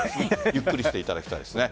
ゆっくりしていただきたいですね。